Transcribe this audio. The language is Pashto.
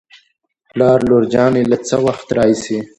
پلار : لور جانې له څه وخت راهېسې